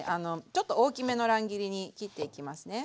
ちょっと大きめの乱切りに切っていきますね。